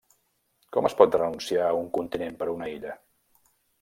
Com es pot renunciar a un continent per una illa?